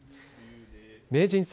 名人戦